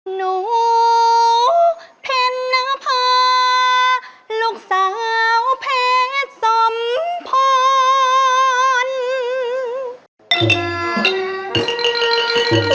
หนูเพ็ญนภาลูกสาวเพชรสมพร